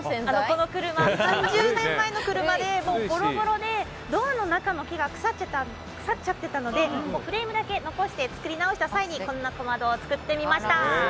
この車、３０年前の車でボロボロでドアの中の木が腐っちゃってたのでフレームだけ残して作り直した際にこんな小窓を作ってみました！